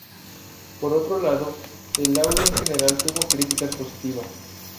Por otro lado, el audio en general tuvo críticas positiva.